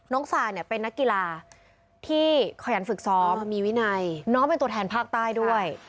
ซาเนี่ยเป็นนักกีฬาที่ขยันฝึกซ้อมมีวินัยน้องเป็นตัวแทนภาคใต้ด้วย